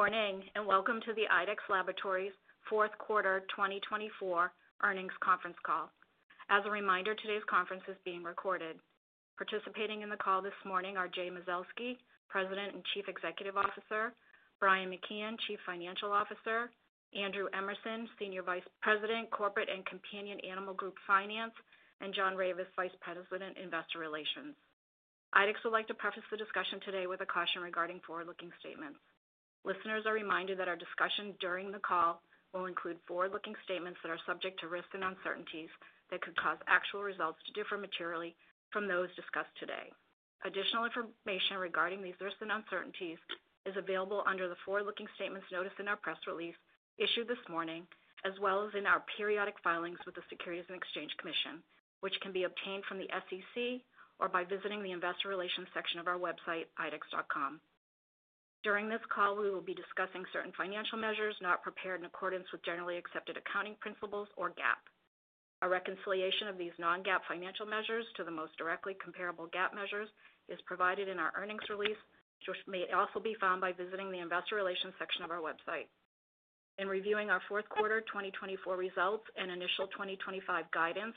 Good morning and welcome to the IDEXX Laboratories Q4 2024 earnings conference call. As a reminder, today's conference is being recorded. Participating in the call this morning are Jay Mazelsky, President and Chief Executive Officer, Brian McKeon, Chief Financial Officer, Andrew Emerson, Senior Vice President, Corporate and Companion Animal Group Finance, and John Ravis, Vice President, Investor Relations. IDEXX would like to preface the discussion today with a caution regarding forward-looking statements. Listeners are reminded that our discussion during the call will include forward-looking statements that are subject to risks and uncertainties that could cause actual results to differ materially from those discussed today. Additional information regarding these risks and uncertainties is available under the forward-looking statements noticed in our press release issued this morning, as well as in our periodic filings with the Securities and Exchange Commission, which can be obtained from the SEC or by visiting the Investor Relations section of our website, idexx.com. During this call, we will be discussing certain financial measures not prepared in accordance with generally accepted accounting principles or GAAP. A reconciliation of these non-GAAP financial measures to the most directly comparable GAAP measures is provided in our earnings release, which may also be found by visiting the Investor Relations section of our website. In reviewing our Q4 2024 results and initial 2025 guidance,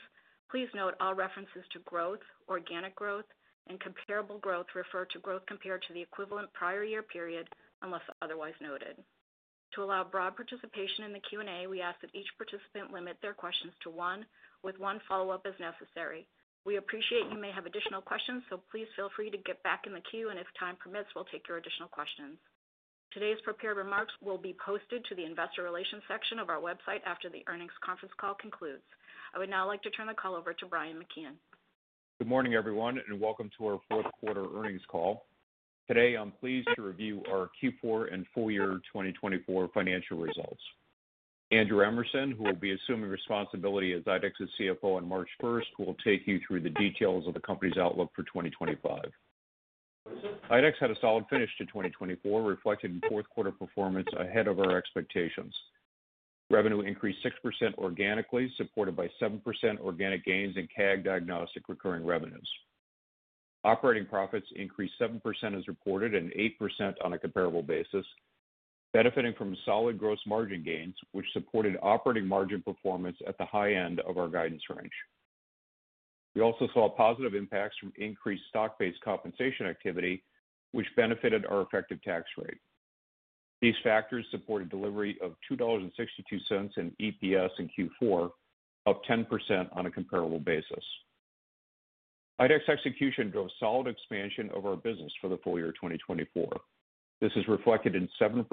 please note all references to growth, organic growth, and comparable growth refer to growth compared to the equivalent prior year period unless otherwise noted. To allow broad participation in the Q&A, we ask that each participant limit their questions to one, with one follow-up as necessary. We appreciate you may have additional questions, so please feel free to get back in the queue, and if time permits, we'll take your additional questions. Today's prepared remarks will be posted to the Investor Relations section of our website after the earnings conference call concludes. I would now like to turn the call over to Brian McKeon. Good morning, everyone, and welcome to our Q4 earnings call. Today, I'm pleased to review our Q4 and full year 2024 financial results. Andrew Emerson, who will be assuming responsibility as IDEXX's CFO on March 1st, will take you through the details of the company's outlook for 2025. IDEXX had a solid finish to 2024, reflected in Q4 performance ahead of our expectations. Revenue increased 6% organically, supported by 7% organic gains in CAG diagnostic recurring revenues. Operating profits increased 7% as reported and 8% on a comparable basis, benefiting from solid gross margin gains, which supported operating margin performance at the high end of our guidance range. We also saw positive impacts from increased stock-based compensation activity, which benefited our effective tax rate. These factors supported delivery of $2.62 in EPS in Q4, up 10% on a comparable basis. IDEXX execution drove solid expansion of our business for the full year 2024. This is reflected in 7%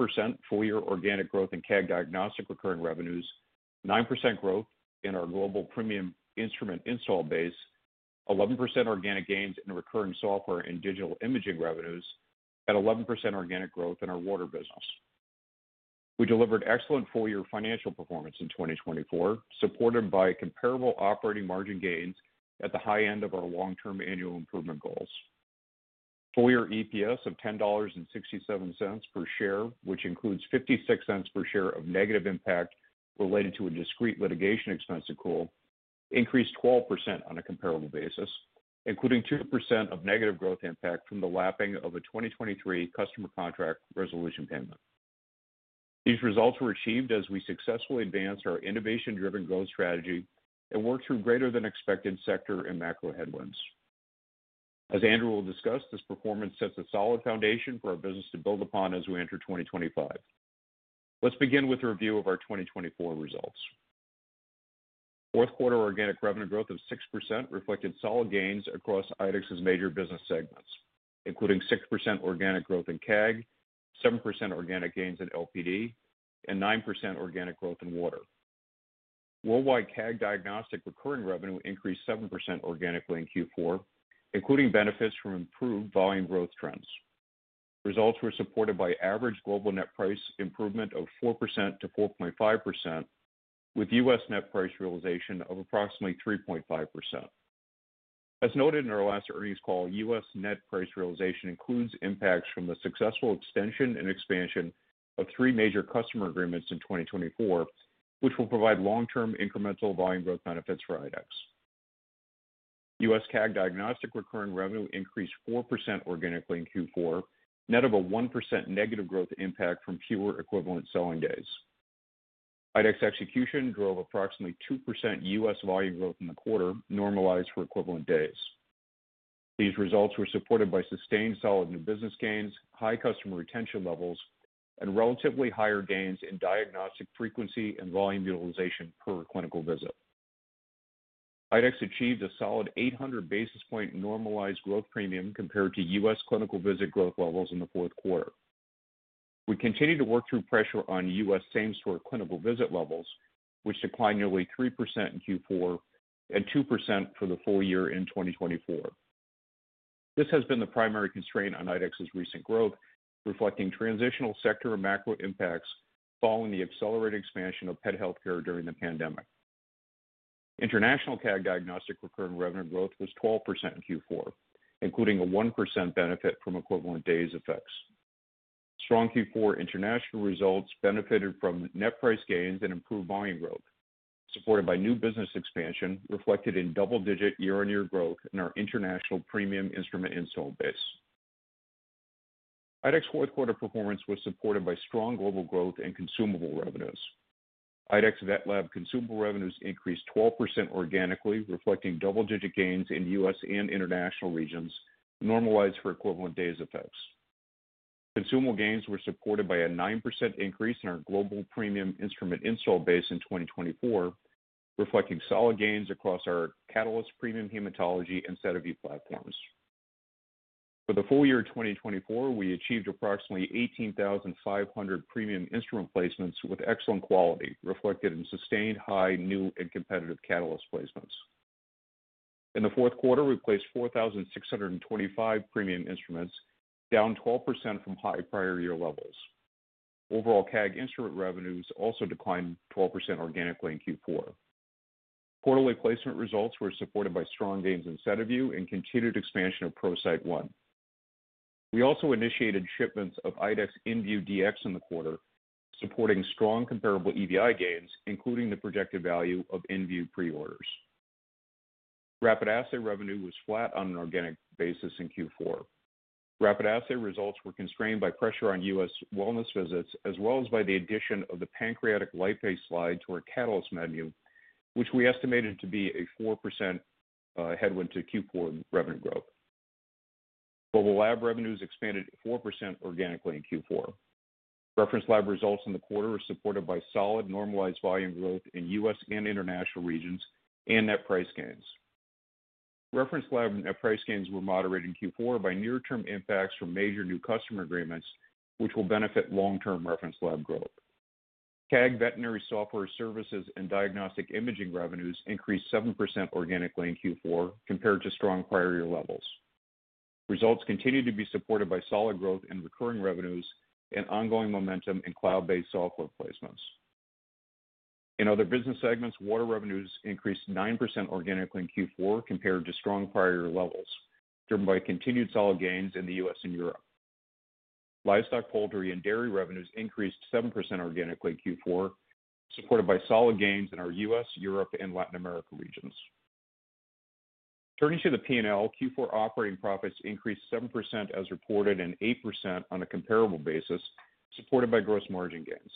full year organic growth in CAG diagnostic recurring revenues, 9% growth in our global premium instrument install base, 11% organic gains in recurring software and digital imaging revenues, and 11% organic growth in our water business. We delivered excellent full year financial performance in 2024, supported by comparable operating margin gains at the high end of our long-term annual improvement goals. Full year EPS of $10.67 per share, which includes $0.56 per share of negative impact related to a discrete litigation expense accrual, increased 12% on a comparable basis, including 2% of negative growth impact from the lapping of a 2023 customer contract resolution payment. These results were achieved as we successfully advanced our innovation-driven growth strategy and worked through greater than expected sector and macro headwinds. As Andrew will discuss, this performance sets a solid foundation for our business to build upon as we enter 2025. Let's begin with a review of our 2024 results. Q4 organic revenue growth of 6% reflected solid gains across IDEXX's major business segments, including 6% organic growth in CAG, 7% organic gains in LPD, and 9% organic growth in water. Worldwide CAG diagnostic recurring revenue increased 7% organically in Q4, including benefits from improved volume growth trends. Results were supported by average global net price improvement of 4%-4.5%, with U.S. net price realization of approximately 3.5%. As noted in our last earnings call, U.S. net price realization includes impacts from the successful extension and expansion of three major customer agreements in 2024, which will provide long-term incremental volume growth benefits for IDEXX. U.S. CAG diagnostic recurring revenue increased 4% organically in Q4, net of a 1% negative growth impact from fewer equivalent selling days. IDEXX execution drove approximately 2% U.S. volume growth in the quarter, normalized for equivalent days. These results were supported by sustained solid new business gains, high customer retention levels, and relatively higher gains in diagnostic frequency and volume utilization per clinical visit. IDEXX achieved a solid 800 basis point normalized growth premium compared to U.S. clinical visit growth levels in the Q4. We continue to work through pressure on U.S. same-store clinical visit levels, which declined nearly 3% in Q4 and 2% for the full year in 2024. This has been the primary constraint on IDEXX's recent growth, reflecting transitional sector and macro impacts following the accelerated expansion of pet healthcare during the pandemic. International CAG diagnostic recurring revenue growth was 12% in Q4, including a 1% benefit from equivalent days effects. Strong Q4 international results benefited from net price gains and improved volume growth, supported by new business expansion reflected in double-digit year-on-year growth in our international premium instrument install base. IDEXX's Q4 performance was supported by strong global growth and consumable revenues. IDEXX VetLab consumable revenues increased 12% organically, reflecting double-digit gains in U.S. and international regions, normalized for equivalent days effects. Consumable gains were supported by a 9% increase in our global premium instrument install base in 2024, reflecting solid gains across our Catalyst premium hematology and SediVue platforms. For the full year 2024, we achieved approximately 18,500 premium instrument placements with excellent quality, reflected in sustained high new and competitive Catalyst placements. In the Q4, we placed 4,625 premium instruments, down 12% from high prior year levels. Overall CAG instrument revenues also declined 12% organically in Q4. Quarterly placement results were supported by strong gains in SediVue Dx and continued expansion of ProCyte One. We also initiated shipments of IDEXX InVue DX in the quarter, supporting strong comparable EVI gains, including the projected value of InVue pre-orders. Rapid assay revenue was flat on an organic basis in Q4. Rapid assay results were constrained by pressure on U.S. wellness visits, as well as by the addition of the Pancreatic Lipase slide to our Catalyst menu, which we estimated to be a 4% headwind to Q4 revenue growth. Global lab revenues expanded 4% organically in Q4. Reference lab results in the quarter were supported by solid normalized volume growth in U.S. and international regions and net price gains. Reference lab net price gains were moderated in Q4 by near-term impacts from major new customer agreements, which will benefit long-term reference lab growth. CAG veterinary software services and diagnostic imaging revenues increased 7% organically in Q4 compared to strong prior year levels. Results continue to be supported by solid growth in recurring revenues and ongoing momentum in cloud-based software placements. In other business segments, water revenues increased 9% organically in Q4 compared to strong prior year levels, driven by continued solid gains in the U.S. and Europe. Livestock, Poultry and Dairy revenues increased 7% organically in Q4, supported by solid gains in our U.S., Europe, and Latin America regions. Turning to the P&L, Q4 operating profits increased 7% as reported and 8% on a comparable basis, supported by gross margin gains.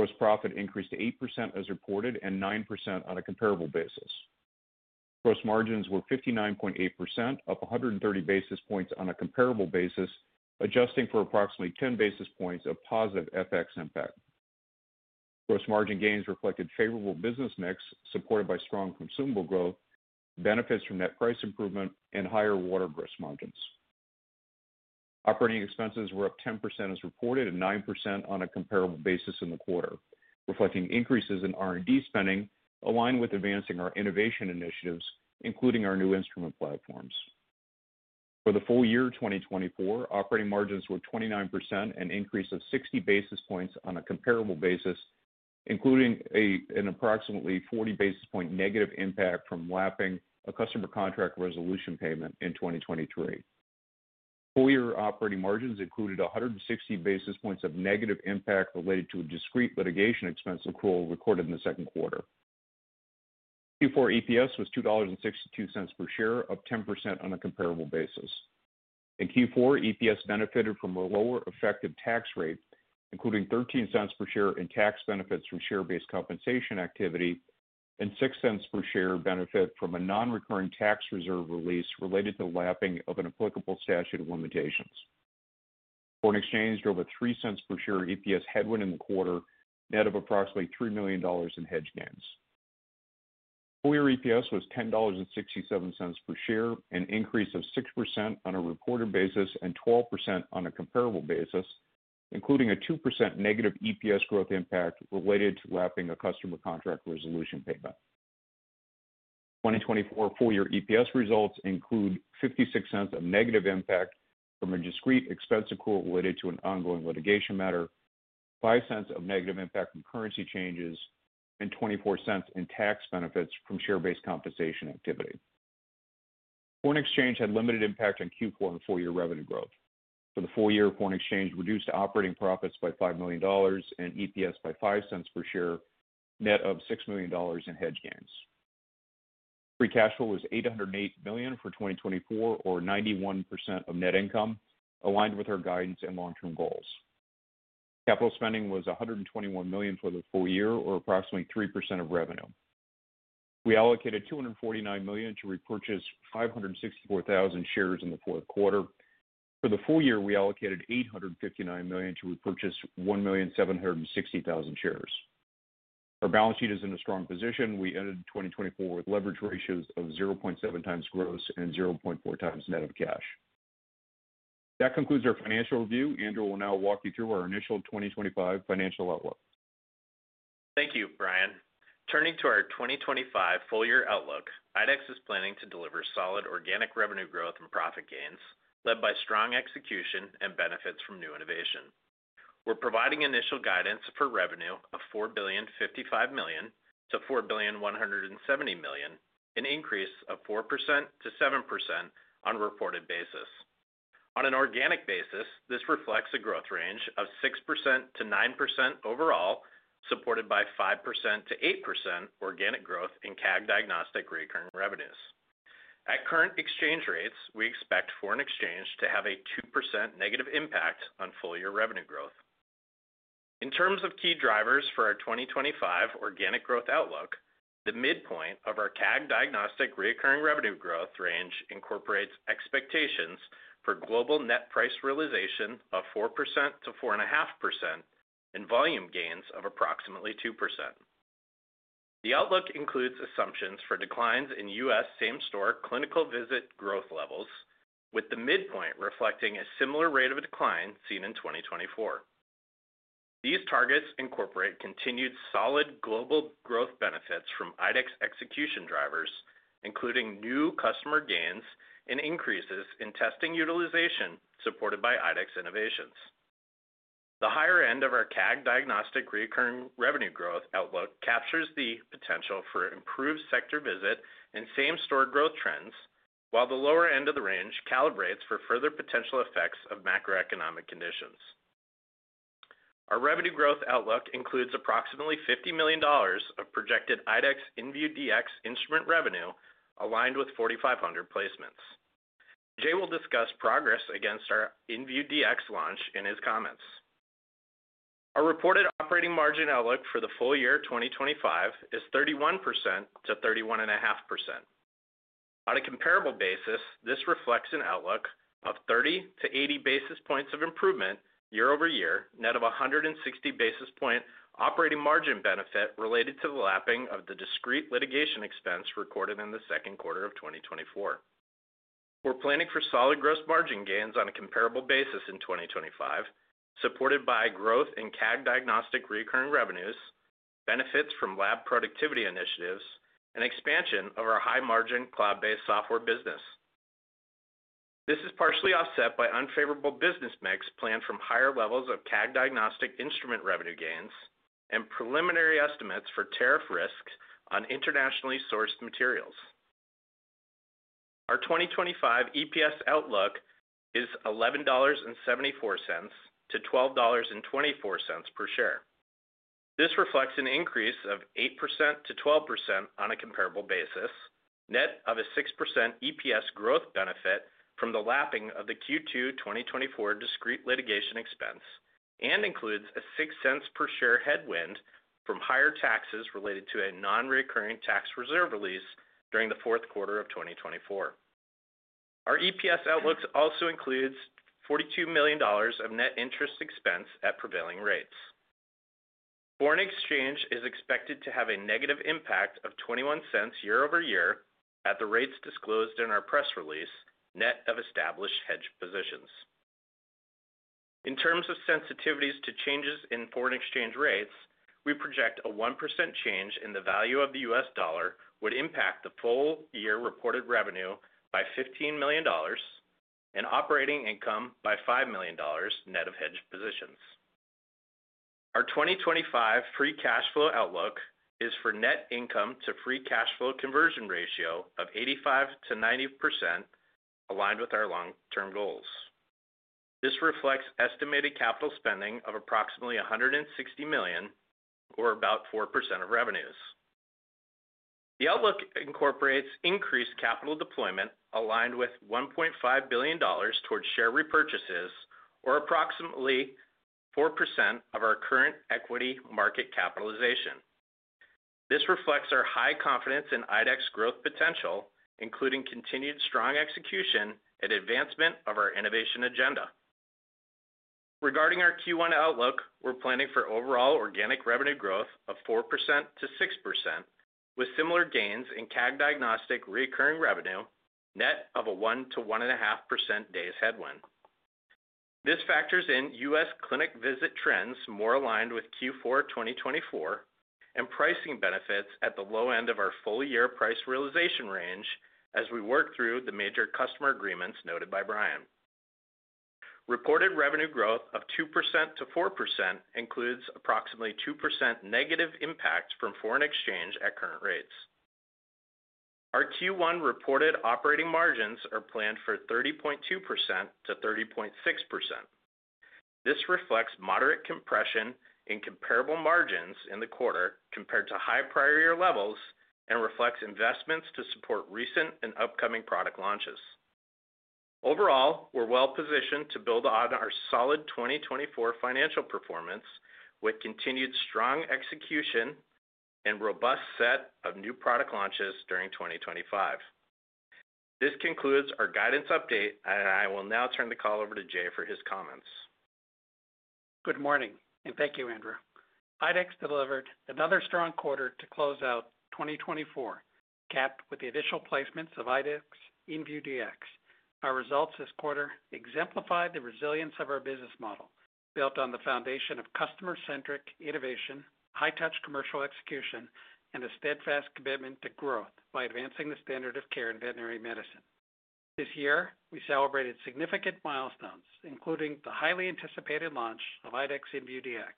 Gross profit increased 8% as reported and 9% on a comparable basis. Gross margins were 59.8%, up 130 basis points on a comparable basis, adjusting for approximately 10 basis points of positive FX impact. Gross margin gains reflected favorable business mix, supported by strong consumable growth, benefits from net price improvement, and higher water gross margins. Operating expenses were up 10% as reported and 9% on a comparable basis in the quarter, reflecting increases in R&D spending aligned with advancing our innovation initiatives, including our new instrument platforms. For the full year 2024, operating margins were 29%, an increase of 60 basis points on a comparable basis, including an approximately 40 basis point negative impact from lapping a customer contract resolution payment in 2023. Full year operating margins included 160 basis points of negative impact related to a discrete litigation expense accrual recorded in the second quarter. Q4 EPS was $2.62 per share, up 10% on a comparable basis. In Q4, EPS benefited from a lower effective tax rate, including $0.13 per share in tax benefits from share-based compensation activity and $0.06 per share benefit from a non-recurring tax reserve release related to lapping of an applicable statute of limitations. Foreign exchange drove a $0.03 per share EPS headwind in the quarter, net of approximately $3 million in hedge gains. Full year EPS was $10.67 per share, an increase of 6% on a reported basis and 12% on a comparable basis, including a 2% negative EPS growth impact related to lapping a customer contract resolution payment. 2024 full year EPS results include $0.56 of negative impact from a discrete expense accrual related to an ongoing litigation matter, $0.05 of negative impact from currency changes, and $0.24 in tax benefits from share-based compensation activity. Foreign exchange had limited impact on Q4 and full year revenue growth. For the full year, foreign exchange reduced operating profits by $5 million and EPS by $0.05 per share, net of $6 million in hedge gains. Free cash flow was $808 million for 2024, or 91% of net income, aligned with our guidance and long-term goals. Capital spending was $121 million for the full year, or approximately 3% of revenue. We allocated $249 million to repurchase 564,000 shares in the Q4. For the full year, we allocated $859 million to repurchase 1,760,000 shares. Our balance sheet is in a strong position. We ended 2024 with leverage ratios of 0.7 times gross and 0.4 times net of cash. That concludes our financial review. Andrew will now walk you through our initial 2025 financial outlook. Thank you, Brian. Turning to our 2025 full year outlook, IDEXX is planning to deliver solid organic revenue growth and profit gains, led by strong execution and benefits from new innovation. We're providing initial guidance for revenue of $4,055 million-$4,170 million, an increase of 4%-7% on a reported basis. On an organic basis, this reflects a growth range of 6%-9% overall, supported by 5%-8% organic growth in CAG diagnostic recurring revenues. At current exchange rates, we expect foreign exchange to have a 2% negative impact on full year revenue growth. In terms of key drivers for our 2025 organic growth outlook, the midpoint of our CAG diagnostic recurring revenue growth range incorporates expectations for global net price realization of 4%-4.5% and volume gains of approximately 2%. The outlook includes assumptions for declines in U.S. same-store clinical visit growth levels, with the midpoint reflecting a similar rate of decline seen in 2024. These targets incorporate continued solid global growth benefits from IDEXX execution drivers, including new customer gains and increases in testing utilization supported by IDEXX innovations. The higher end of our CAG diagnostic recurring revenue growth outlook captures the potential for improved sector visit and same-store growth trends, while the lower end of the range calibrates for further potential effects of macroeconomic conditions. Our revenue growth outlook includes approximately $50 million of projected IDEXX InVue DX instrument revenue, aligned with 4,500 placements. Jay will discuss progress against our InVue DX launch in his comments. Our reported operating margin outlook for the full year 2025 is 31%-31.5%. On a comparable basis, this reflects an outlook of 30 to 80 basis points of improvement year over year, net of 160 basis point operating margin benefit related to the lapping of the discrete litigation expense recorded in the second quarter of 2024. We're planning for solid gross margin gains on a comparable basis in 2025, supported by growth in CAG diagnostic recurring revenues, benefits from lab productivity initiatives, and expansion of our high-margin cloud-based software business. This is partially offset by unfavorable business mix planned from higher levels of CAG diagnostic instrument revenue gains and preliminary estimates for tariff risk on internationally sourced materials. Our 2025 EPS outlook is $11.74-$12.24 per share. This reflects an increase of 8%-12% on a comparable basis, net of a 6% EPS growth benefit from the lapping of the Q2 2024 discrete litigation expense, and includes a $0.06 per share headwind from higher taxes related to a non-recurring tax reserve release during the Q4 of 2024. Our EPS outlook also includes $42 million of net interest expense at prevailing rates. Foreign exchange is expected to have a negative impact of $0.21 year over year at the rates disclosed in our press release, net of established hedge positions. In terms of sensitivities to changes in foreign exchange rates, we project a 1% change in the value of the U.S. dollar would impact the full year reported revenue by $15 million and operating income by $5 million net of hedge positions. Our 2025 free cash flow outlook is for net income to free cash flow conversion ratio of 85%-90%, aligned with our long-term goals. This reflects estimated capital spending of approximately $160 million, or about 4% of revenues. The outlook incorporates increased capital deployment aligned with $1.5 billion towards share repurchases, or approximately 4% of our current equity market capitalization. This reflects our high confidence in IDEXX growth potential, including continued strong execution and advancement of our innovation agenda. Regarding our Q1 outlook, we're planning for overall organic revenue growth of 4%-6%, with similar gains in CAG diagnostic recurring revenue, net of a 1-1.5% days headwind. This factors in U.S. clinic visit trends more aligned with Q4 2024 and pricing benefits at the low end of our full year price realization range as we work through the major customer agreements noted by Brian. Reported revenue growth of 2% to 4% includes approximately 2% negative impact from foreign exchange at current rates. Our Q1 reported operating margins are planned for 30.2% to 30.6%. This reflects moderate compression in comparable margins in the quarter compared to high prior year levels and reflects investments to support recent and upcoming product launches. Overall, we're well positioned to build on our solid 2024 financial performance with continued strong execution and robust set of new product launches during 2025. This concludes our guidance update, and I will now turn the call over to Jay for his comments. Good morning, and thank you, Andrew. IDEXX delivered another strong quarter to close out 2024, capped with the initial placements of IDEXX InVue DX. Our results this quarter exemplify the resilience of our business model, built on the foundation of customer-centric innovation, high-touch commercial execution, and a steadfast commitment to growth by advancing the standard of care in veterinary medicine. This year, we celebrated significant milestones, including the highly anticipated launch of IDEXX InVue DX,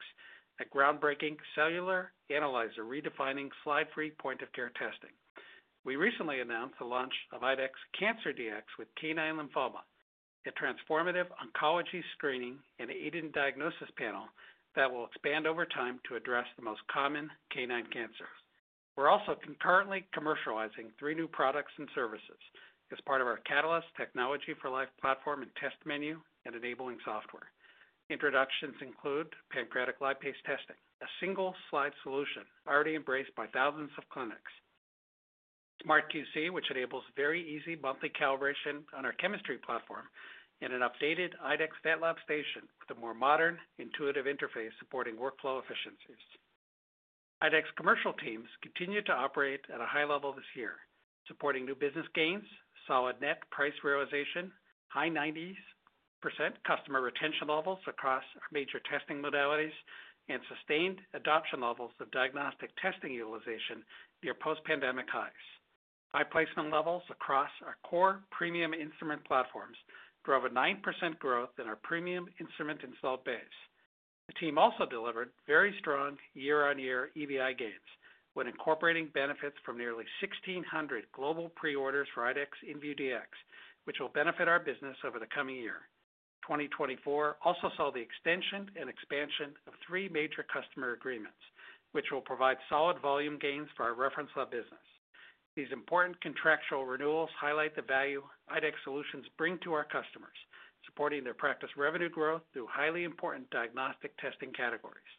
a groundbreaking cellular analyzer redefining slide-free point-of-care testing. We recently announced the launch of IDEXX Cancer Dx with canine lymphoma, a transformative oncology screening and agent diagnosis panel that will expand over time to address the most common canine cancers. We're also concurrently commercializing three new products and services as part of our Catalyst Technology for Life platform and test menu and enabling software. Introductions include Pancreatic Lipase testing, a single-slide solution already embraced by thousands of clinics. SmartQC, which enables very easy monthly calibration on our chemistry platform. And an updated IDEXX VetLab Station with a more modern, intuitive interface supporting workflow efficiencies. IDEXX commercial teams continue to operate at a high level this year, supporting new business gains, solid net price realization, high 90% customer retention levels across our major testing modalities, and sustained adoption levels of diagnostic testing utilization near post-pandemic highs. High placement levels across our core premium instrument platforms drove a 9% growth in our premium instrument installed base. The team also delivered very strong year-on-year EVI gains when incorporating benefits from nearly 1,600 global preorders for IDEXX InVue DX, which will benefit our business over the coming year. 2024 also saw the extension and expansion of three major customer agreements, which will provide solid volume gains for our reference lab business. These important contractual renewals highlight the value IDEXX solutions bring to our customers, supporting their practice revenue growth through highly important diagnostic testing categories.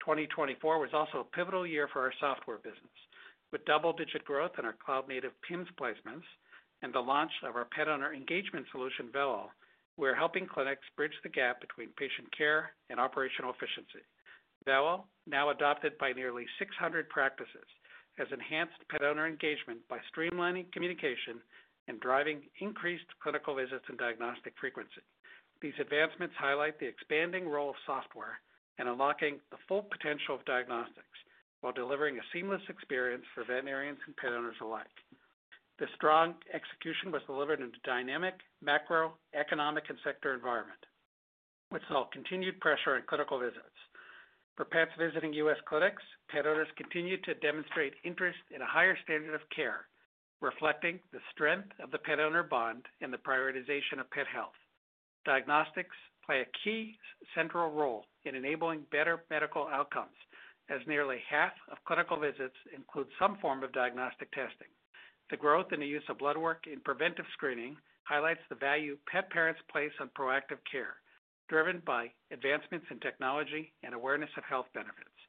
2024 was also a pivotal year for our software business. With double-digit growth in our cloud-native PIMS placements and the launch of our pet-owner engagement solution, Velo, we're helping clinics bridge the gap between patient care and operational efficiency. Velo, now adopted by nearly 600 practices, has enhanced pet-owner engagement by streamlining communication and driving increased clinical visits and diagnostic frequency. These advancements highlight the expanding role of software and unlocking the full potential of diagnostics while delivering a seamless experience for veterinarians and pet owners alike. The strong execution was delivered in a dynamic macroeconomic and sector environment, which saw continued pressure on clinical visits. For pets visiting U.S. clinics, pet owners continued to demonstrate interest in a higher standard of care, reflecting the strength of the pet-owner bond and the prioritization of pet health. Diagnostics play a key central role in enabling better medical outcomes, as nearly half of clinical visits include some form of diagnostic testing. The growth in the use of blood work in preventive screening highlights the value pet parents place on proactive care, driven by advancements in technology and awareness of health benefits.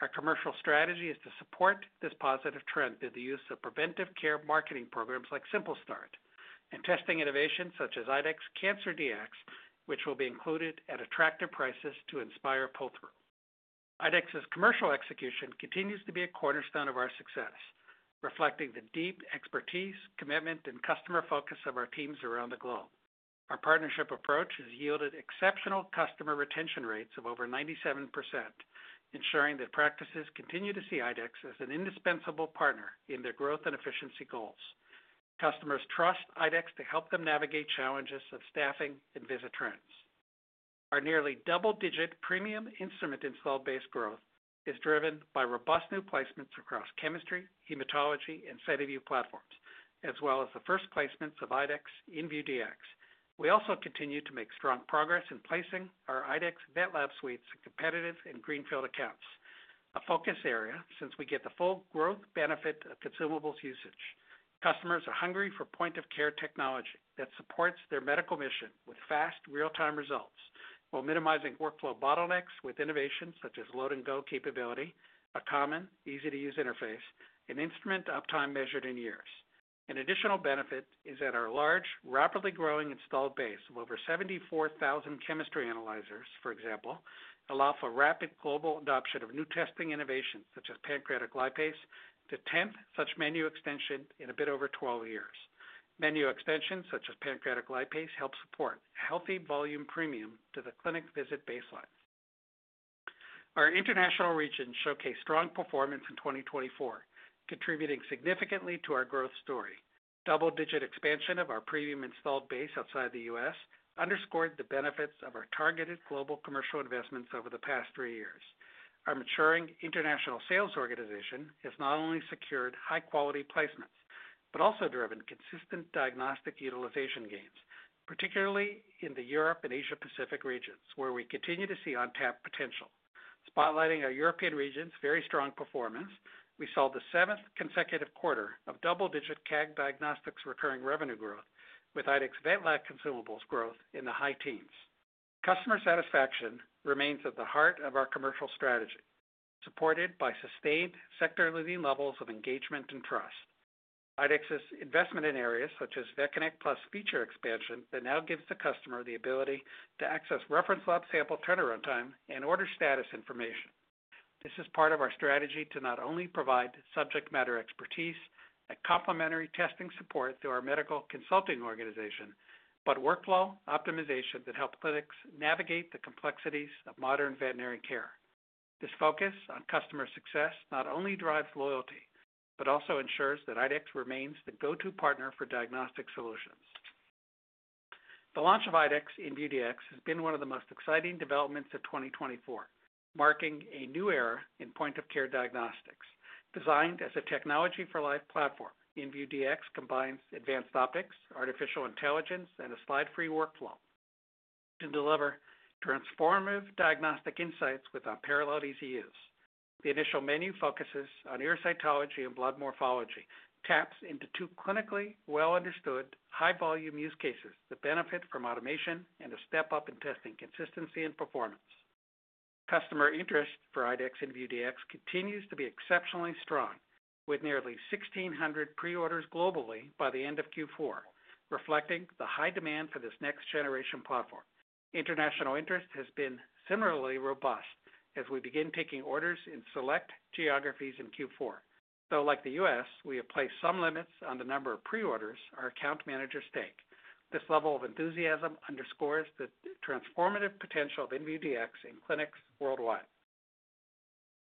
Our commercial strategy is to support this positive trend through the use of preventive care marketing programs like Simple Start, and testing innovations such as IDEXX Cancer Dx, which will be included at attractive prices to inspire pull-through. IDEXX's commercial execution continues to be a cornerstone of our success, reflecting the deep expertise, commitment, and customer focus of our teams around the globe. Our partnership approach has yielded exceptional customer retention rates of over 97%, ensuring that practices continue to see IDEXX as an indispensable partner in their growth and efficiency goals. Customers trust IDEXX to help them navigate challenges of staffing and visit trends. Our nearly double-digit premium instrument installed base growth is driven by robust new placements across chemistry, hematology, and SediVue platforms, as well as the first placements of IDEXX Invue DX. We also continue to make strong progress in placing our IDEXX VetLab suites in competitive and greenfield accounts, a focus area since we get the full growth benefit of consumables usage. Customers are hungry for point-of-care technology that supports their medical mission with fast, real-time results, while minimizing workflow bottlenecks with innovations such as load-and-go capability, a common, easy-to-use interface, and instrument uptime measured in years. An additional benefit is that our large, rapidly growing installed base of over 74,000 chemistry analyzers, for example, allows for rapid global adoption of new testing innovations such as Pancreatic Lipase, the 10th such menu extension in a bit over 12 years. Menu extensions such as Pancreatic Lipase help support a healthy volume premium to the clinic visit baseline. Our international regions showcased strong performance in 2024, contributing significantly to our growth story. Double-digit expansion of our premium installed base outside the U.S. underscored the benefits of our targeted global commercial investments over the past three years. Our maturing international sales organization has not only secured high-quality placements but also driven consistent diagnostic utilization gains, particularly in the Europe and Asia-Pacific regions, where we continue to see untapped potential. Spotlighting our European region's very strong performance, we saw the seventh consecutive quarter of double-digit CAG diagnostics recurring revenue growth with IDEXX VetLab consumables growth in the high teens. Customer satisfaction remains at the heart of our commercial strategy, supported by sustained sector-leading levels of engagement and trust. IDEXX's investment in areas such as VetConnect Plus feature expansion that now gives the customer the ability to access reference lab sample turnaround time and order status information. This is part of our strategy to not only provide subject matter expertise and complementary testing support through our medical consulting organization, but workflow optimization that helps clinics navigate the complexities of modern veterinary care. This focus on customer success not only drives loyalty but also ensures that IDEXX remains the go-to partner for diagnostic solutions. The launch of IDEXX Invue DX has been one of the most exciting developments of 2024, marking a new era in point-of-care diagnostics. Designed as a technology-for-life platform, Invue DX combines advanced optics, artificial intelligence, and a slide-free workflow to deliver transformative diagnostic insights with unparalleled ease of use. The initial menu focuses on ear cytology and blood morphology, taps into two clinically well-understood high-volume use cases that benefit from automation and a step-up in testing consistency and performance. Customer interest for IDEXX Invue DX continues to be exceptionally strong, with nearly 1,600 preorders globally by the end of Q4, reflecting the high demand for this next-generation platform. International interest has been similarly robust as we begin taking orders in select geographies in Q4. Though, like the U.S., we have placed some limits on the number of preorders our account managers take. This level of enthusiasm underscores the transformative potential of Invue DX in clinics worldwide.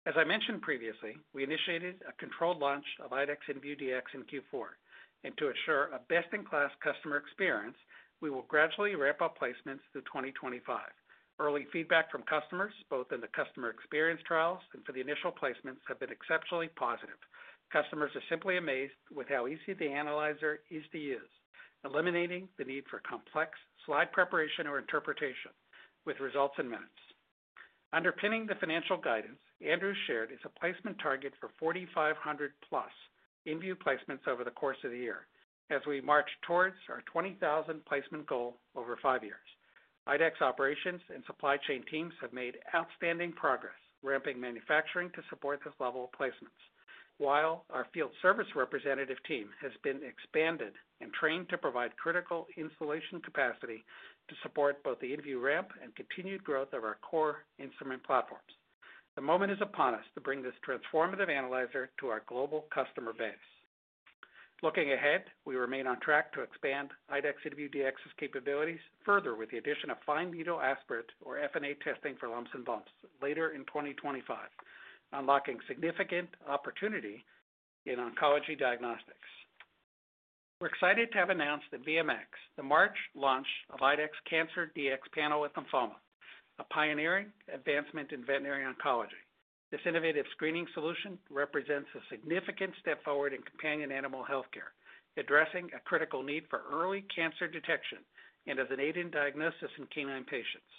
As I mentioned previously, we initiated a controlled launch of IDEXX Invue DX in Q4, and to ensure a best-in-class customer experience, we will gradually ramp up placements through 2025. Early feedback from customers, both in the customer experience trials and for the initial placements, has been exceptionally positive. Customers are simply amazed with how easy the analyzer is to use, eliminating the need for complex slide preparation or interpretation, with results in minutes. Underpinning the financial guidance Andrew shared is a placement target for 4,500-plus Invue placements over the course of the year as we march towards our 20,000 placement goal over five years. IDEXX operations and supply chain teams have made outstanding progress, ramping manufacturing to support this level of placements, while our field service representative team has been expanded and trained to provide critical installation capacity to support both the Invue DX ramp and continued growth of our core instrument platforms. The moment is upon us to bring this transformative analyzer to our global customer base. Looking ahead, we remain on track to expand IDEXX Invue DX's capabilities further with the addition of fine-needle aspirate or FNA testing for lumps and bumps later in 2025, unlocking significant opportunity in oncology diagnostics. We're excited to have announced that with the March launch of IDEXX Cancer DX panel with lymphoma, a pioneering advancement in veterinary oncology. This innovative screening solution represents a significant step forward in companion animal healthcare, addressing a critical need for early cancer detection and as an aid in diagnosis in canine patients.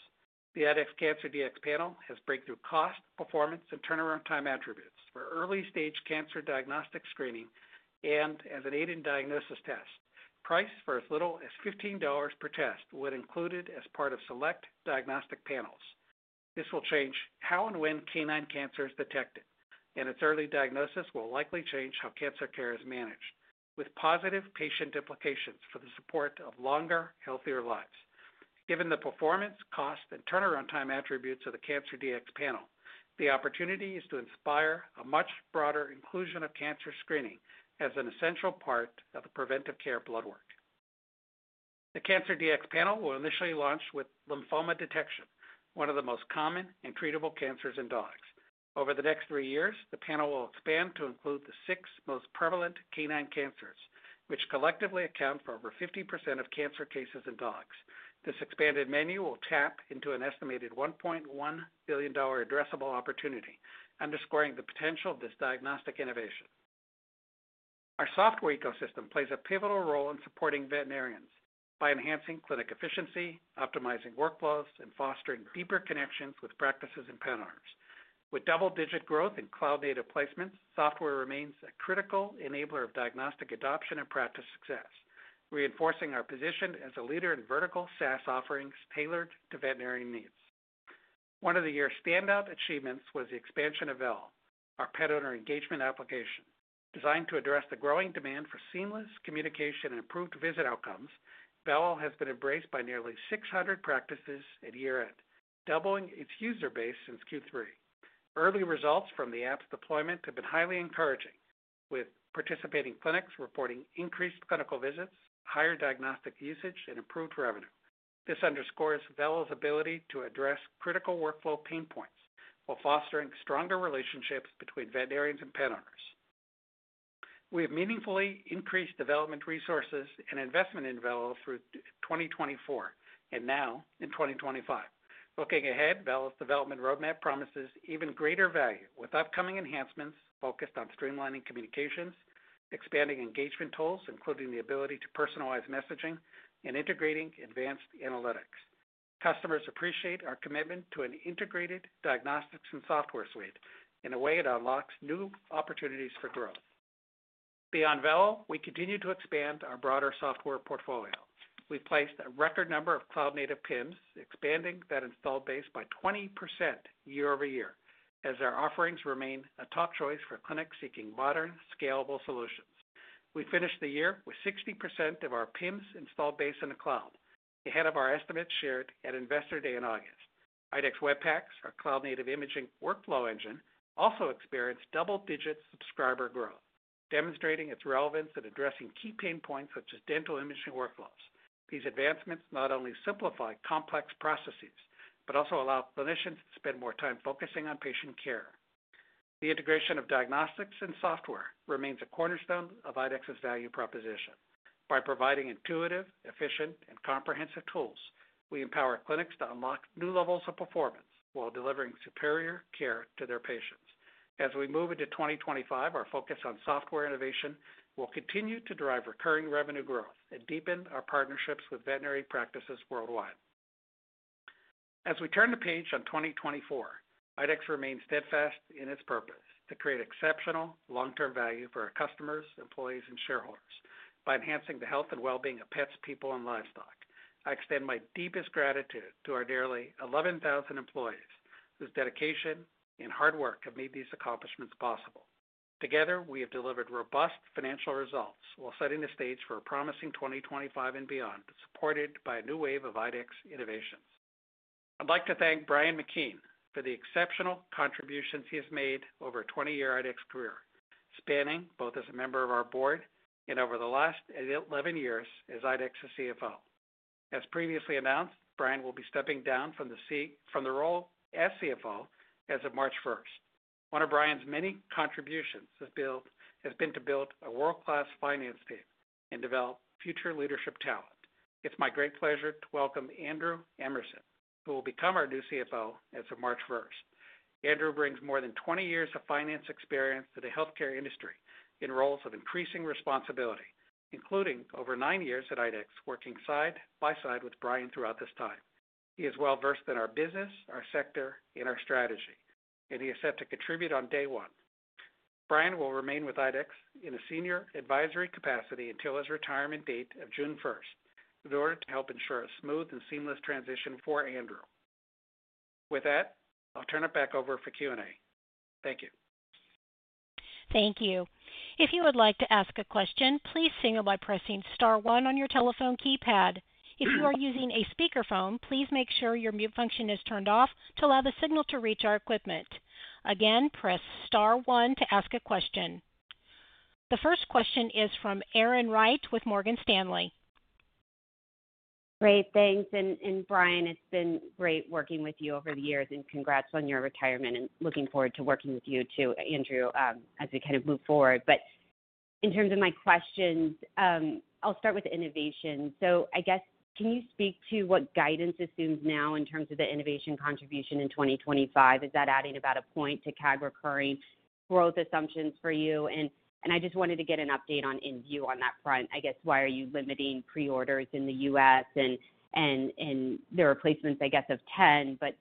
The IDEXX Cancer DX panel has breakthrough cost, performance, and turnaround time attributes for early-stage cancer diagnostic screening and as an aid in diagnosis test. Price for as little as $15 per test when included as part of select diagnostic panels. This will change how and when canine cancer is detected, and its early diagnosis will likely change how cancer care is managed, with positive patient implications for the support of longer, healthier lives. Given the performance, cost, and turnaround time attributes of the Cancer DX panel, the opportunity is to inspire a much broader inclusion of cancer screening as an essential part of the preventive care blood work. The Cancer DX panel will initially launch with lymphoma detection, one of the most common and treatable cancers in dogs. Over the next three years, the panel will expand to include the six most prevalent canine cancers, which collectively account for over 50% of cancer cases in dogs. This expanded menu will tap into an estimated $1.1 billion addressable opportunity, underscoring the potential of this diagnostic innovation. Our software ecosystem plays a pivotal role in supporting veterinarians by enhancing clinic efficiency, optimizing workflows, and fostering deeper connections with practices and pet owners. With double-digit growth in cloud-native placements, software remains a critical enabler of diagnostic adoption and practice success, reinforcing our position as a leader in vertical SaaS offerings tailored to veterinarian needs. One of the year's standout achievements was the expansion of VELO, our pet-owner engagement application. Designed to address the growing demand for seamless communication and improved visit outcomes, VELO has been embraced by nearly 600 practices at year-end, doubling its user base since Q3. Early results from the app's deployment have been highly encouraging, with participating clinics reporting increased clinical visits, higher diagnostic usage, and improved revenue. This underscores VELO's ability to address critical workflow pain points while fostering stronger relationships between veterinarians and pet owners. We have meaningfully increased development resources and investment in VELO through 2024 and now in 2025. Looking ahead, VELO's development roadmap promises even greater value with upcoming enhancements focused on streamlining communications, expanding engagement tools, including the ability to personalize messaging, and integrating advanced analytics. Customers appreciate our commitment to an integrated diagnostics and software suite in a way that unlocks new opportunities for growth. Beyond VELO, we continue to expand our broader software portfolio. We've placed a record number of cloud-native PIMS, expanding that installed base by 20% year over year as our offerings remain a top choice for clinics seeking modern, scalable solutions. We finished the year with 60% of our PIMS installed base in the cloud, ahead of our estimates shared at Investor Day in August. IDEXX Web PACS, our cloud-native imaging workflow engine, also experienced double-digit subscriber growth, demonstrating its relevance in addressing key pain points such as dental imaging workflows. These advancements not only simplify complex processes but also allow clinicians to spend more time focusing on patient care. The integration of diagnostics and software remains a cornerstone of IDEXX's value proposition. By providing intuitive, efficient, and comprehensive tools, we empower clinics to unlock new levels of performance while delivering superior care to their patients. As we move into 2025, our focus on software innovation will continue to drive recurring revenue growth and deepen our partnerships with veterinary practices worldwide. As we turn the page on 2024, IDEXX remains steadfast in its purpose to create exceptional long-term value for our customers, employees, and shareholders by enhancing the health and well-being of pets, people, and livestock. I extend my deepest gratitude to our nearly 11,000 employees whose dedication and hard work have made these accomplishments possible. Together, we have delivered robust financial results while setting the stage for a promising 2025 and beyond, supported by a new wave of IDEXX innovations. I'd like to thank Brian McKeon for the exceptional contributions he has made over a 20-year IDEXX career, spanning both as a member of our board and over the last 11 years as IDEXX's CFO. As previously announced, Brian will be stepping down from the role as CFO as of March 1st. One of Brian's many contributions has been to build a world-class finance team and develop future leadership talent. It's my great pleasure to welcome Andrew Emerson, who will become our new CFO as of March 1st. Andrew brings more than 20 years of finance experience to the healthcare industry in roles of increasing responsibility, including over nine years at IDEXX, working side by side with Brian throughout this time. He is well-versed in our business, our sector, and our strategy, and he is set to contribute on day one. Brian will remain with IDEXX in a senior advisory capacity until his retirement date of June 1st in order to help ensure a smooth and seamless transition for Andrew. With that, I'll turn it back over for Q&A. Thank you. Thank you. If you would like to ask a question, please signal by pressing Star 1 on your telephone keypad. If you are using a speakerphone, please make sure your mute function is turned off to allow the signal to reach our equipment. Again, press Star 1 to ask a question. The first question is from Erin Wright with Morgan Stanley. Great. Thanks, and Brian, it's been great working with you over the years, and congrats on your retirement, and looking forward to working with you too, Andrew, as we kind of move forward, but in terms of my questions, I'll start with innovation, so I guess, can you speak to what guidance assumes now in terms of the innovation contribution in 2025? Is that adding about a point to CAG recurring growth assumptions for you? And I just wanted to get an update on Invue on that front. I guess, why are you limiting preorders in the U.S.? And there are placements, I guess, of 10, but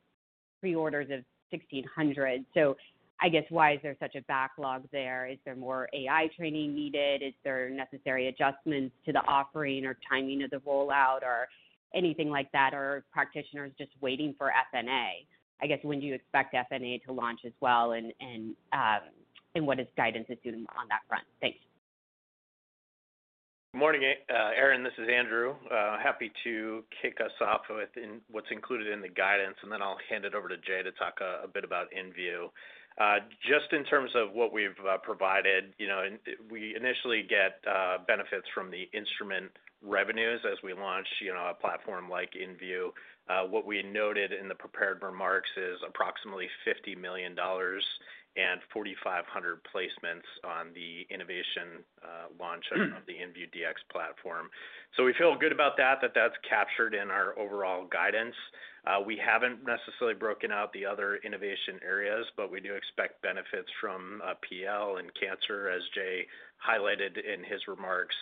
preorders of 1,600. So I guess, why is there such a backlog there? Is there more AI training needed? Is there necessary adjustments to the offering or timing of the rollout or anything like that? Are practitioners just waiting for FNA? I guess, when do you expect FNA to launch as well, and what does guidance assume on that front? Thanks. Good morning, Erin. This is Andrew. Happy to kick us off with what's included in the guidance, and then I'll hand it over to Jay to talk a bit about Invue. Just in terms of what we've provided, we initially get benefits from the instrument revenues as we launch a platform like Invue. What we noted in the prepared remarks is approximately $50 million and 4,500 placements on the innovation launch of the Invue DX platform. So we feel good about that, that that's captured in our overall guidance. We haven't necessarily broken out the other innovation areas, but we do expect benefits from PL and cancer, as Jay highlighted in his remarks.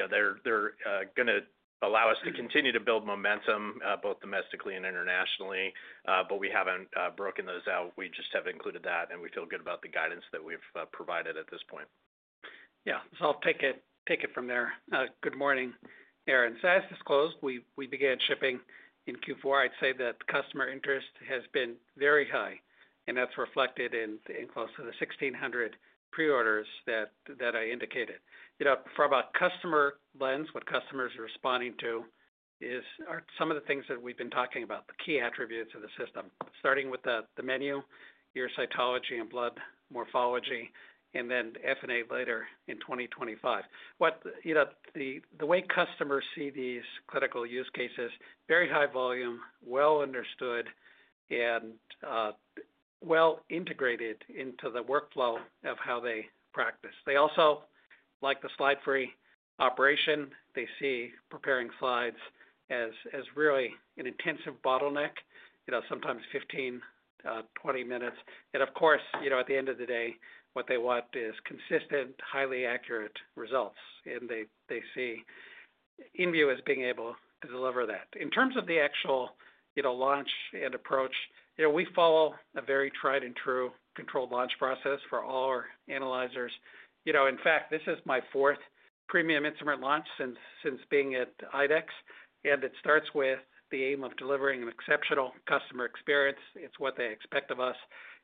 They're going to allow us to continue to build momentum both domestically and internationally, but we haven't broken those out. We just have included that, and we feel good about the guidance that we've provided at this point. Yeah. So I'll take it from there. Good morning, Erin. So as disclosed, we began shipping in Q4. I'd say that customer interest has been very high, and that's reflected in close to the 1,600 preorders that I indicated. From a customer lens, what customers are responding to are some of the things that we've been talking about, the key attributes of the system, starting with the menu, your cytology and blood morphology, and then FNA later in 2025. The way customers see these clinical use cases, very high volume, well understood, and well integrated into the workflow of how they practice. They also like the slide-free operation. They see preparing slides as really an intensive bottleneck, sometimes 15-20 minutes, and of course, at the end of the day, what they want is consistent, highly accurate results, and they see Invue as being able to deliver that. In terms of the actual launch and approach, we follow a very tried-and-true controlled launch process for all our analyzers. In fact, this is my fourth premium instrument launch since being at IDEXX, and it starts with the aim of delivering an exceptional customer experience. It's what they expect of us.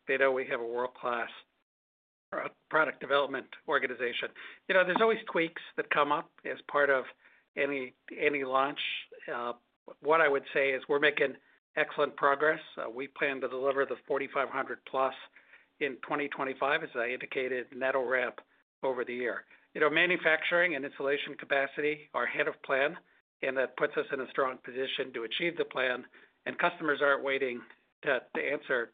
They know we have a world-class product development organization. There's always tweaks that come up as part of any launch. What I would say is we're making excellent progress. We plan to deliver the 4,500-plus in 2025, as I indicated, net or ramp over the year. Manufacturing and installation capacity are ahead of plan, and that puts us in a strong position to achieve the plan. And customers aren't waiting to answer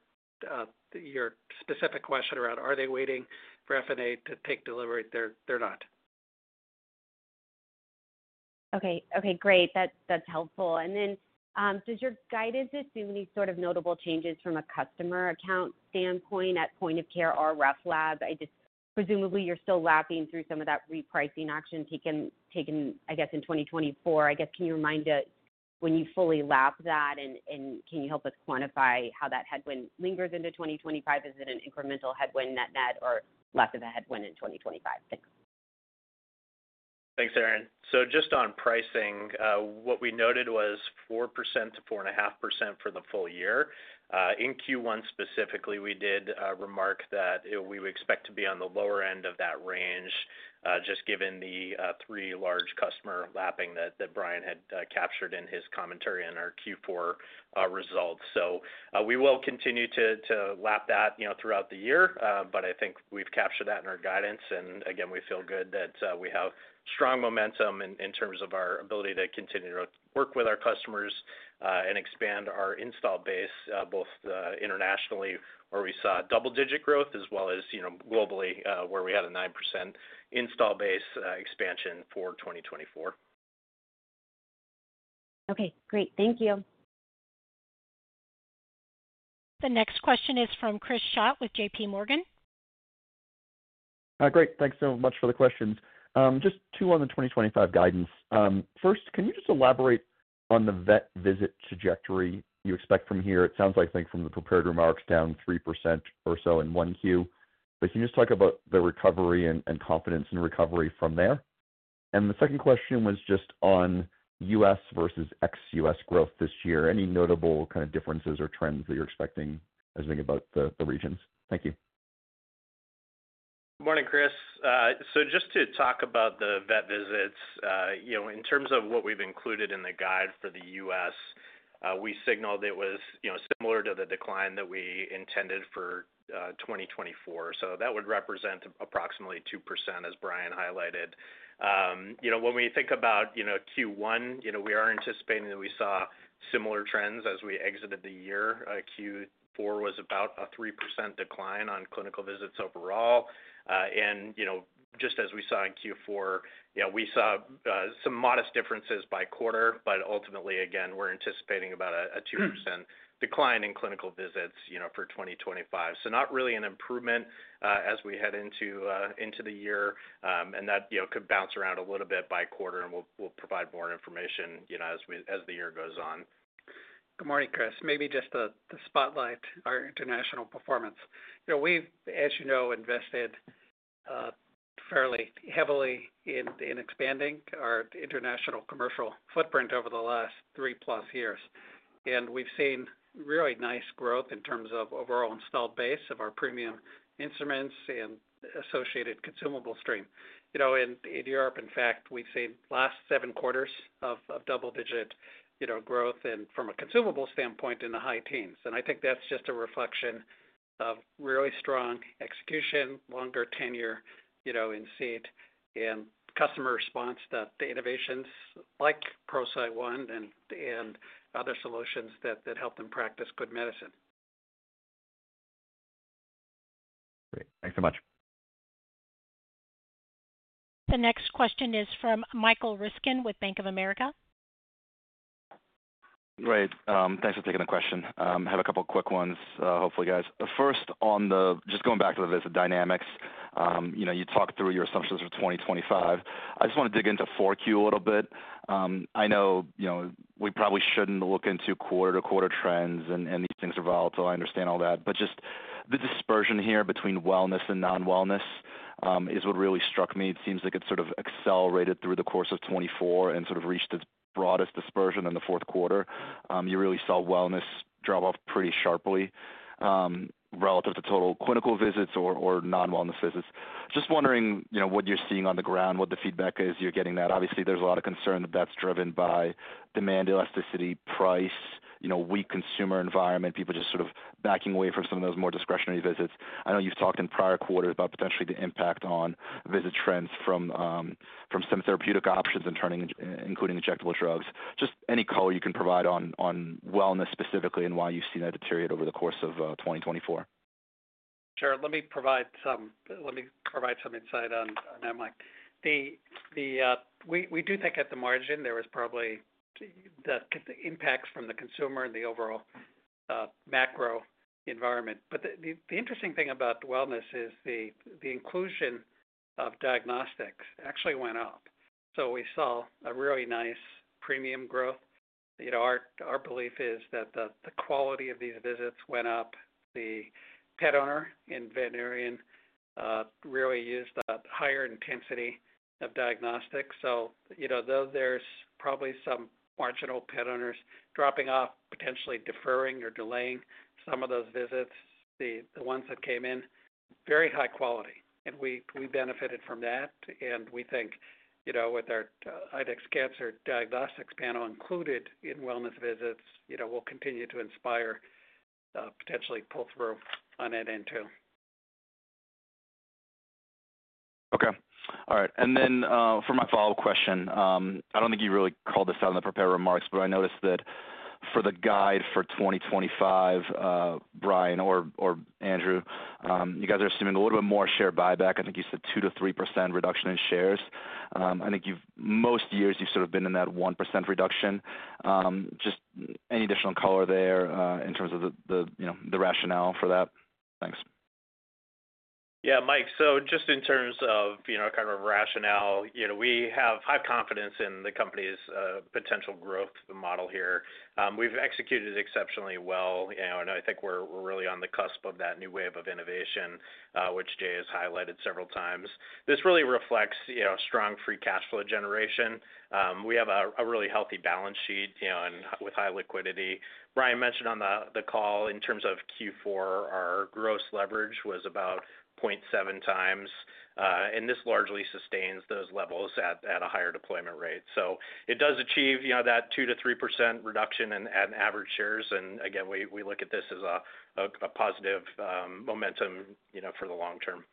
your specific question around, are they waiting for FNA to take delivery? They're not. Okay. Okay. Great. That's helpful. And then does your guidance assume any sort of notable changes from a customer account standpoint at Point of Care or RefLab? Presumably, you're still lapping through some of that repricing action taken, I guess, in 2024. I guess, can you remind us when you fully lap that, and can you help us quantify how that headwind lingers into 2025? Is it an incremental headwind net-net or less of a headwind in 2025? Thanks. Thanks, Erin. So just on pricing, what we noted was 4%-4.5% for the full year. In Q1 specifically, we did remark that we would expect to be on the lower end of that range just given the three large customer lapping that Brian had captured in his commentary on our Q4 results. So we will continue to lap that throughout the year, but I think we've captured that in our guidance. And again, we feel good that we have strong momentum in terms of our ability to continue to work with our customers and expand our install base both internationally, where we saw double-digit growth, as well as globally, where we had a 9% install base expansion for 2024. Okay. Great. Thank you. The next question is from Chris Schott with JPMorgan. Great. Thanks so much for the questions. Just two on the 2025 guidance. First, can you just elaborate on the vet visit trajectory you expect from here? It sounds like, I think, from the prepared remarks down 3% or so in 1Q. But can you just talk about the recovery and confidence in recovery from there? And the second question was just on U.S. versus ex-U.S. growth this year. Any notable kind of differences or trends that you're expecting as we think about the regions? Thank you. Good morning, Chris. So just to talk about the vet visits, in terms of what we've included in the guide for the U.S., we signaled it was similar to the decline that we intended for 2024. So that would represent approximately 2%, as Brian highlighted. When we think about Q1, we are anticipating that we saw similar trends as we exited the year. Q4 was about a 3% decline on clinical visits overall. And just as we saw in Q4, we saw some modest differences by quarter, but ultimately, again, we're anticipating about a 2% decline in clinical visits for 2025. So not really an improvement as we head into the year, and that could bounce around a little bit by quarter, and we'll provide more information as the year goes on. Good morning, Chris. Maybe just to spotlight our international performance. We've, as you know, invested fairly heavily in expanding our international commercial footprint over the last three-plus years. And we've seen really nice growth in terms of overall installed base of our premium instruments and associated consumable stream. In Europe, in fact, we've seen the last seven quarters of double-digit growth from a consumable standpoint in the high teens. And I think that's just a reflection of really strong execution, longer tenure in seat, and customer response to innovations like ProCyte One and other solutions that help them practice good medicine. Great. Thanks so much. The next question is from Michael Ryskin with Bank of America. Great. Thanks for taking the question. I have a couple of quick ones, hopefully, guys. First, just going back to the visit dynamics, you talked through your assumptions for 2025. I just want to dig into Q4 a little bit. I know we probably shouldn't look into quarter-to-quarter trends, and these things are volatile. I understand all that. But just the dispersion here between wellness and non-wellness is what really struck me. It seems like it sort of accelerated through the course of 2024 and sort of reached its broadest dispersion in the Q4. You really saw wellness drop off pretty sharply relative to total clinical visits or non-wellness visits. Just wondering what you're seeing on the ground, what the feedback is you're getting at. Obviously, there's a lot of concern that that's driven by demand elasticity, price, weak consumer environment, people just sort of backing away from some of those more discretionary visits. I know you've talked in prior quarters about potentially the impact on visit trends from some therapeutic options and including injectable drugs. Just any color you can provide on wellness specifically and why you've seen that deteriorate over the course of 2024? Sure. Let me provide some insight on that, Mike. We do think at the margin, there was probably the impacts from the consumer and the overall macro environment. But the interesting thing about wellness is the inclusion of diagnostics actually went up. So we saw a really nice premium growth. Our belief is that the quality of these visits went up. The pet owner and veterinarian really used a higher intensity of diagnostics. So though there's probably some marginal pet owners dropping off, potentially deferring or delaying some of those visits, the ones that came in, very high quality. And we benefited from that. And we think with our IDEXX Cancer DX included in wellness visits, we'll continue to inspire, potentially pull through on that end too. Okay. All right. And then for my follow-up question, I don't think you really called this out in the prepared remarks, but I noticed that for the guide for 2025, Brian or Andrew, you guys are assuming a little bit more share buyback. I think you said 2%-3% reduction in shares. I think most years you've sort of been in that 1% reduction. Just any additional color there in terms of the rationale for that? Thanks. Yeah, Mike. So just in terms of kind of rationale, we have high confidence in the company's potential growth model here. We've executed exceptionally well. I think we're really on the cusp of that new wave of innovation, which Jay has highlighted several times. This really reflects strong free cash flow generation. We have a really healthy balance sheet with high liquidity. Brian mentioned on the call, in terms of Q4, our gross leverage was about 0.7 times. This largely sustains those levels at a higher deployment rate. It does achieve that 2% to 3% reduction in average shares. Again, we look at this as a positive momentum for the long term.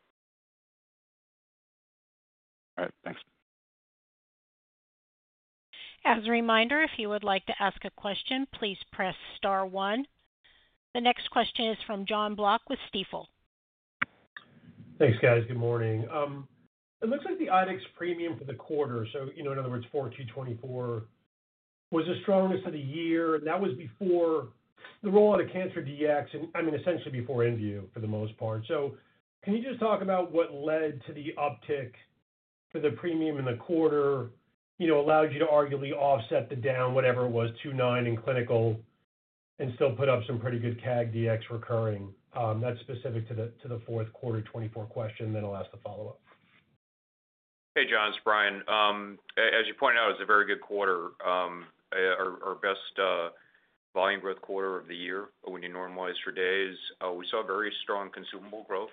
All right. Thanks. As a reminder, if you would like to ask a question, please press star one. The next question is from John Block with Stifel. Thanks, guys. Good morning. It looks like the IDEXX premium for the quarter, so in other words, 4Q24, was the strongest of the year. That was before the rollout of the Cancer DX, and I mean, essentially before Invue for the most part. Can you just talk about what led to the uptick for the premium in the quarter, allowed you to arguably offset the down, whatever it was, 2.9 in clinical, and still put up some pretty good CAG DX recurring? That's specific to the Q4 2024 question. Then I'll ask the follow-up. Hey, John. It's Brian. As you pointed out, it was a very good quarter, our best volume growth quarter of the year when you normalize for days. We saw very strong consumable growth.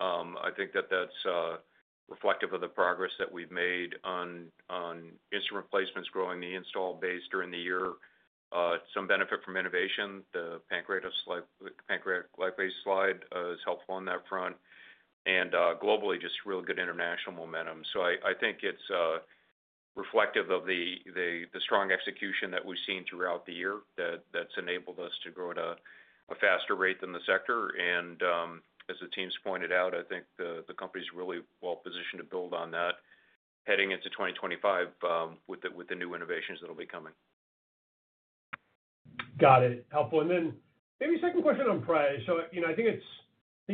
I think that that's reflective of the progress that we've made on instrument placements growing the install base during the year. Some benefit from innovation. The Pancreatic Lipase slide is helpful on that front. And globally, just really good international momentum. I think it's reflective of the strong execution that we've seen throughout the year that's enabled us to grow at a faster rate than the sector. And as the teams pointed out, I think the company's really well positioned to build on that heading into 2025 with the new innovations that'll be coming. Got it. Helpful. And then maybe second question on price. So I think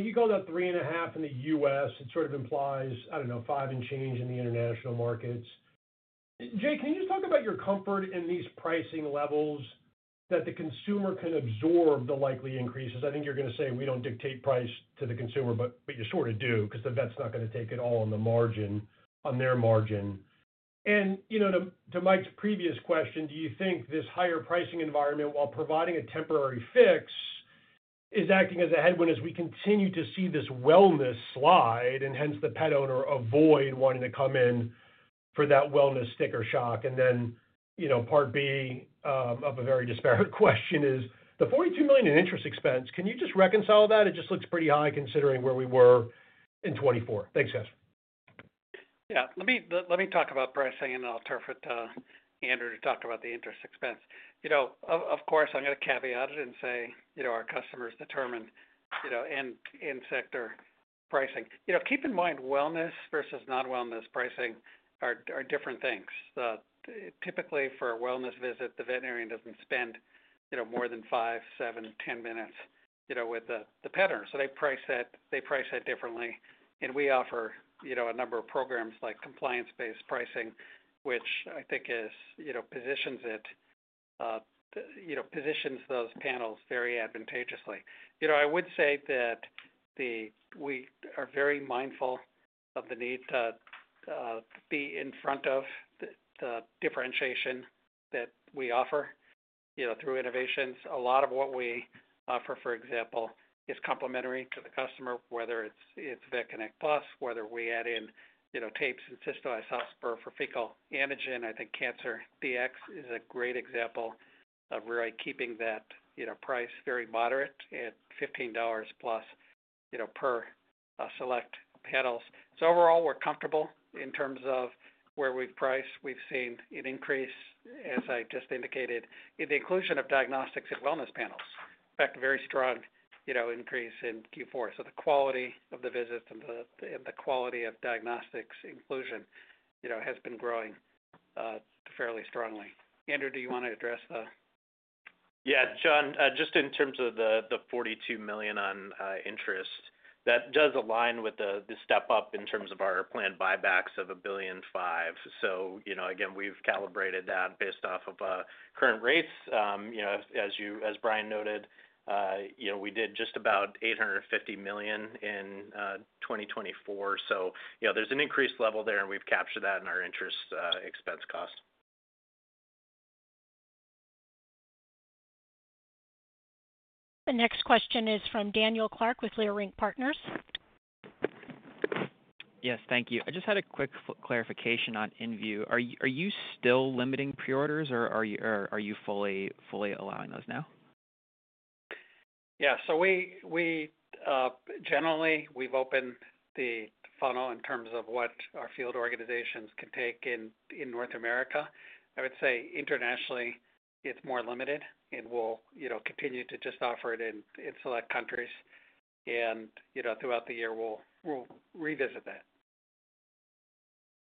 you called out 3.5% in the U.S. It sort of implies, I don't know, 5% and change in the international markets. Jay, can you just talk about your comfort in these pricing levels that the consumer can absorb the likely increases? I think you're going to say we don't dictate price to the consumer, but you sort of do because the vet's not going to take it all on their margin. And to Mike's previous question, do you think this higher pricing environment, while providing a temporary fix, is acting as a headwind as we continue to see this wellness slide and hence the pet owner avoid wanting to come in for that wellness sticker shock? And then part B of a very disparate question is the $42 million in interest expense. Can you just reconcile that? It just looks pretty high considering where we were in 2024. Thanks, guys. Yeah. Let me talk about pricing, and then I'll turn it to Andrew to talk about the interest expense. Of course, I'm going to caveat it and say our customers determine end-sector pricing. Keep in mind, wellness versus non-wellness pricing are different things. Typically, for a wellness visit, the veterinarian doesn't spend more than five, seven, 10 minutes with the pet owner. So they price that differently. We offer a number of programs like compliance-based pricing, which I think positions those panels very advantageously. I would say that we are very mindful of the need to be in front of the differentiation that we offer through innovations. A lot of what we offer, for example, is complementary to the customer, whether it's VetConnect Plus, whether we add in tapes and Cystoisospora for fecal antigen. I think Cancer DX is a great example of really keeping that price very moderate at $15 plus per select panels. So overall, we're comfortable in terms of where we've priced. We've seen an increase, as I just indicated, in the inclusion of diagnostics and wellness panels. In fact, a very strong increase in Q4. So the quality of the visits and the quality of diagnostics inclusion has been growing fairly strongly. Andrew, do you want to address the? Yeah. John, just in terms of the $42 million on interest, that does align with the step-up in terms of our planned buybacks of $1.5 billion. So again, we've calibrated that based off of current rates. As Brian noted, we did just about $850 million in 2024. So there's an increased level there, and we've captured that in our interest expense cost. The next question is from Daniel Clark with Leerink Partners. Yes. Thank you. I just had a quick clarification on Invue. Are you still limiting preorders, or are you fully allowing those now? Yeah. So generally, we've opened the funnel in terms of what our field organizations can take in North America. I would say internationally, it's more limited. And we'll continue to just offer it in select countries. And throughout the year, we'll revisit that.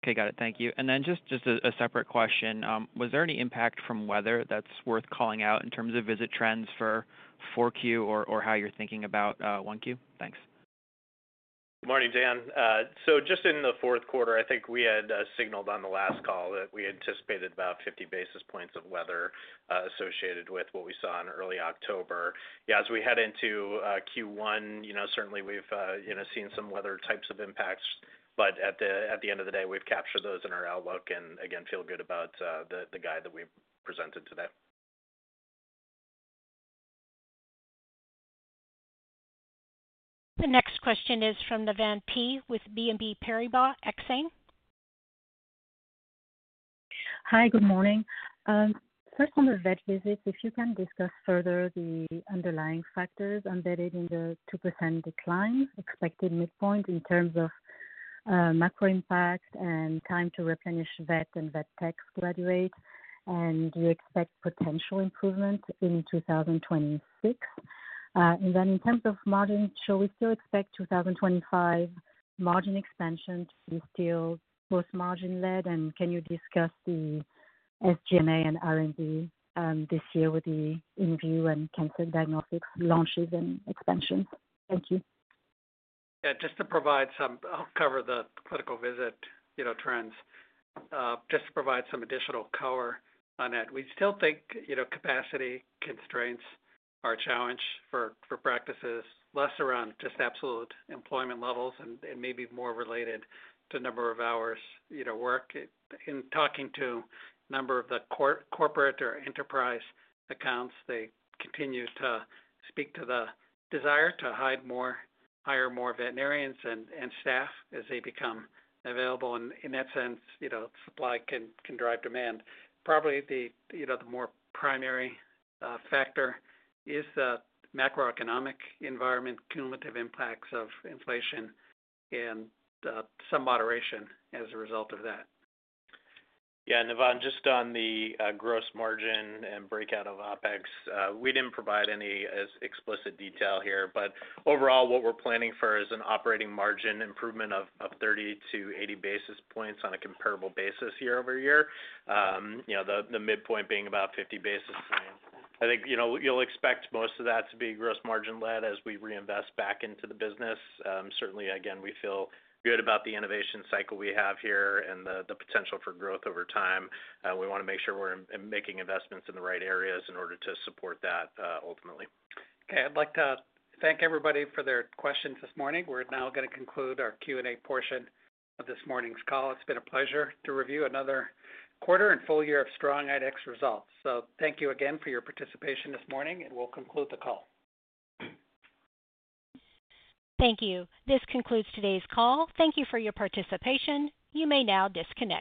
Okay. Got it. Thank you. And then just a separate question. Was there any impact from weather that's worth calling out in terms of visit trends for Q4 or how you're thinking about Q1? Thanks. Good morning, Dan. So just in the Q4, I think we had signaled on the last call that we anticipated about 50 basis points of weather associated with what we saw in early October. Yeah. As we head into Q1, certainly, we've seen some weather types of impacts. But at the end of the day, we've captured those in our outlook and, again, feel good about the guide that we've presented today. The next question is from Navann Ty with BNP Paribas Exane. Hi. Good morning. First, on the vet visits, if you can discuss further the underlying factors embedded in the 2% decline, expected midpoint in terms of macro impact and time to replenish vet and vet tech graduates. Do you expect potential improvement in 2026? And then in terms of margin, shall we still expect 2025 margin expansion to be still gross margin-led? And can you discuss the SGMA and R&D this year with the Invue and cancer diagnostics launches and expansions? Thank you. Yeah. Just to provide some, I'll cover the clinical visit trends, just to provide some additional color on that. We still think capacity constraints are a challenge for practices, less around just absolute employment levels and maybe more related to number of hours work. In talking to a number of the corporate or enterprise accounts, they continue to speak to the desire to hire more veterinarians and staff as they become available. And in that sense, supply can drive demand. Probably the more primary factor is the macroeconomic environment, cumulative impacts of inflation, and some moderation as a result of that. Yeah. Navann, just on the gross margin and breakout of OpEx, we didn't provide any explicit detail here. But overall, what we're planning for is an operating margin improvement of 30-80 basis points on a comparable basis year over year, the midpoint being about 50 basis points. I think you'll expect most of that to be gross margin-led as we reinvest back into the business. Certainly, again, we feel good about the innovation cycle we have here and the potential for growth over time. We want to make sure we're making investments in the right areas in order to support that ultimately. Okay. I'd like to thank everybody for their questions this morning. We're now going to conclude our Q&A portion of this morning's call. It's been a pleasure to review another quarter and full year of strong IDEXX results. So thank you again for your participation this morning, and we'll conclude the call. Thank you. This concludes today's call. Thank you for your participation. You may now disconnect.